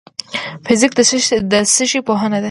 فزیک د څه شي پوهنه ده؟